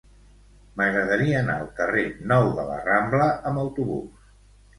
M'agradaria anar al carrer Nou de la Rambla amb autobús.